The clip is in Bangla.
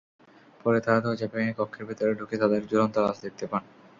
পরে তাঁরা দরজা ভেঙে কক্ষের ভেতরে ঢুকে তাঁদের ঝুলন্ত লাশ দেখতে পান।